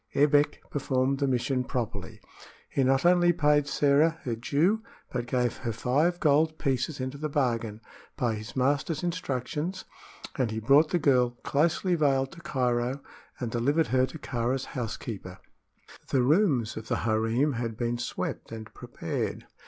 Ebbek performed the mission properly. He not only paid Sĕra her due, but gave her five gold pieces into the bargain, by his master's instructions; and he brought the girl, closely veiled, to Cairo and delivered her to Kāra's housekeeper. The rooms of the harem had been swept and prepared.